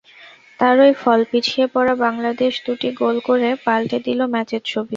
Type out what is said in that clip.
তারই ফল—পিছিয়ে পড়া বাংলাদেশ দুটি গোল করে পাল্টে দিল ম্যাচের ছবি।